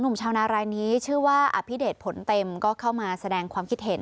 ชาวนารายนี้ชื่อว่าอภิเดชผลเต็มก็เข้ามาแสดงความคิดเห็น